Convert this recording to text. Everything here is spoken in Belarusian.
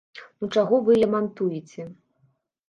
Ну чаго вы лямантуеце?